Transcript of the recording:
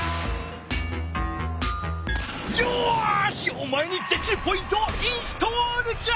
おまえにできるポイントをインストールじゃ！